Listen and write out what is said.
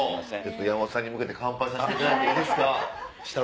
山本さんに向けて乾杯させていただいていいですか。